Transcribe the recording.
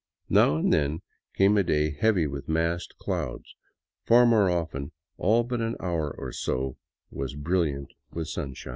Now and then came a day heavy with massed clouds ; far more often all but an hour or so was brilliant with sunshine.